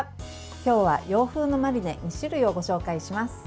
今日は洋風のマリネ２種類をご紹介します。